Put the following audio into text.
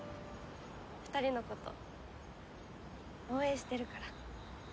２人のこと応援してるから。